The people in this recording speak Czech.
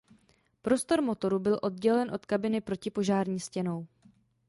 Prostor motoru byl oddělen od kabiny protipožární stěnou.